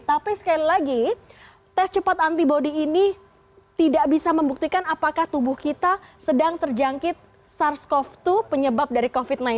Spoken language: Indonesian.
tapi sekali lagi tes cepat antibody ini tidak bisa membuktikan apakah tubuh kita sedang terjangkit sars cov dua penyebab dari covid sembilan belas